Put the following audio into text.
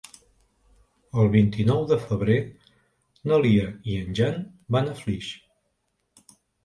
El vint-i-nou de febrer na Lia i en Jan van a Flix.